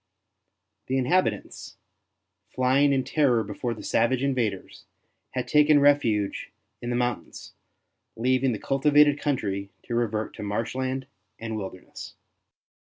The inhabitants, flying in terror before the savage invaders, had taken refuge in the moun tains, leaving the cultivated country to revert to marshland and wilderness.